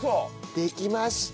できました。